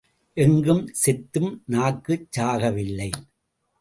எங்கும் செத்தும் நாக்குச் சாகவில்லை.